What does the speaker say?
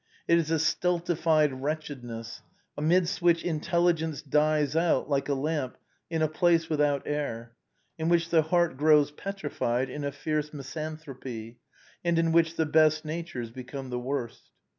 It is a stultified wretchedness, amidst which intelligence dies out like a lamp in a place without air, in which the heart grows petrified in a fierce misanthropy, and in which the best natures become the worst.